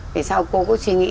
vậy sao cô có suy nghĩ